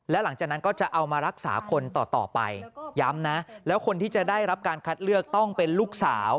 แล้วหลังจากนั้นก็จะเอามารักษาคนต่อไปย้ำนะแล้วคนที่จะได้รับการคัดเลือกต้องเป็นลูกสาว